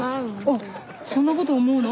あっそんなこと思うの？